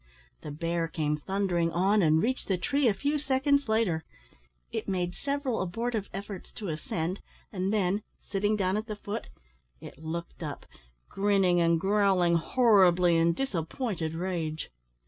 The bear came thundering on, and reached the tree a few seconds later. It made several abortive efforts to ascend, and then, sitting down at the foot, it looked up, grinning and growling horribly in disappointed rage.